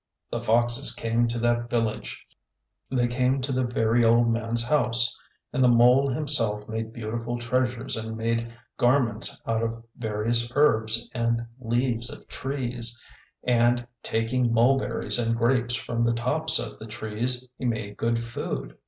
The foxes came to that village; they came to the very old man's house. And the mole himself made beautiful treasures and made garments out of various herbs and leaves of trees; and, taking mulberries and grapes from the tops of the trees, he made good food.